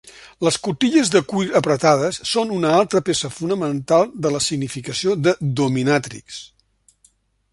Les cotilles de cuir apretades són una altra peça fonamental de la significació de dominatrix.